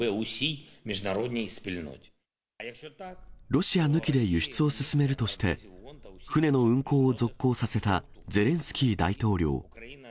ロシア抜きで輸出を進めるとして、船の運航を続行させたゼレンスキー大統領。